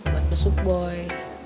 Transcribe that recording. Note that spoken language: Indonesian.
buat besok boy